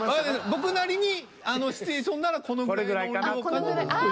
僕なりにあのシチュエーションならこのぐらいの音量かなという。